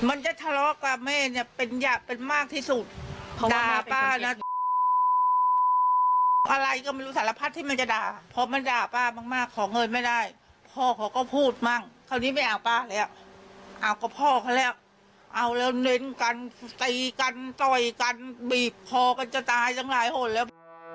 เอาแล้วเน้นกันตีกันต่อยกันบีบคอกันจะตายทั้งหลายคนแล้ว